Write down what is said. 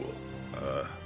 ああ。